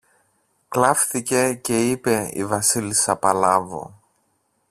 κλαύθηκε και είπε η Βασίλισσα Παλάβω.